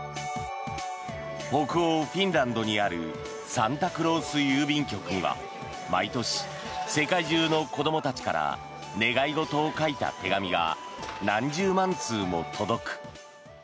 北欧フィンランドにあるサンタクロース郵便局には毎年、世界中の子どもたちから願い事を書いた手紙が何十万通も届く。